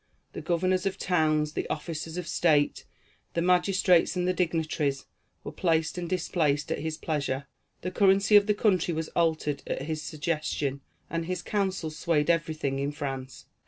The governors of towns, the officers of state, the magistrates and the dignitaries, were placed and displaced at his pleasure. The currency of the country was altered at his suggestion, and his counsels swayed everything in France.